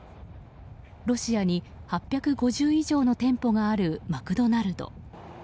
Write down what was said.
ロシアに８５０以上の店舗があるマクドナルド。